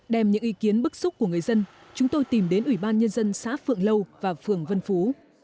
đem những ý kiến bức xúc của người dân chúng tôi tìm đến ủy ban nhân dân xã phượng lâu và phường vân phú